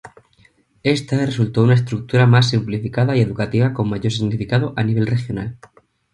Esta resultó una estructura más simplificada y educativa con mayor significado a nivel regional.